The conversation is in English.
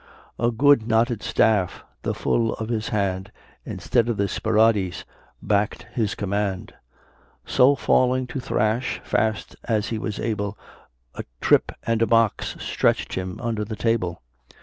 A good knotted staff, The full of his hand, Instead of the Spiradis, Back'd his command. So falling to thrash, Fast as he was able, A trip and a box Stretch'd him under the table.